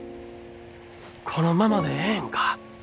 このままでええんか。